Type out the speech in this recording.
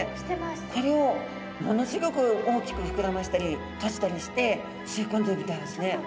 これをものすギョく大きく膨らましたり閉じたりして吸い込んでるみたいですね。